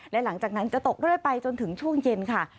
และหลังจากนั้นจะตกเรื่อยไปจนถึงช่วงเย็นค่ะ